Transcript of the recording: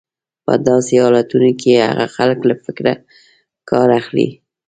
په داسې حالتونو کې هغه خلک له فکره کار اخلي.